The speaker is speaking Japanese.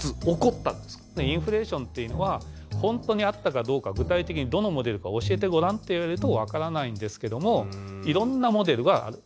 インフレーションっていうのは本当にあったかどうか具体的にどのモデルか教えてごらんって言われるとわからないんですけどもいろんなモデルがある。